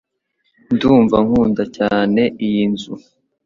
Ndumva nkunda cyane iyi nzu.